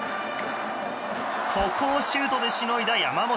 ここをシュートでしのいだ山本。